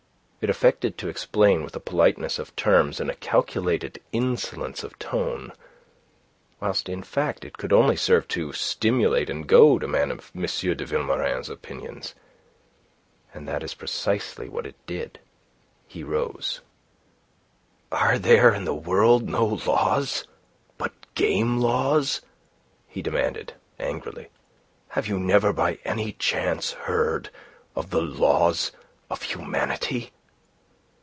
It affected to explain, with a politeness of terms and a calculated insolence of tone; whilst in fact it could only serve to stimulate and goad a man of M. de Vilmorin's opinions. And that is precisely what it did. He rose. "Are there in the world no laws but game laws?" he demanded, angrily. "Have you never by any chance heard of the laws of humanity?"